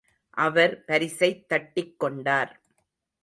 அவர் பரிசைத் தட்டிக் கொண்டார்.